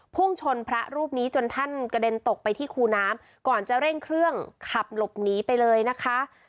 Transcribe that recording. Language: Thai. พุ่งชนพระรูปนี้จนท่านกระเด็นตกไปที่คูน้ำก่อนจะเร่งเครื่องขับหลบหนีไปเลยนะคะ